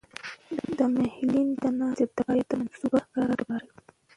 د محلي د ناستې د باندې د منصوبه کارۍ لپاره.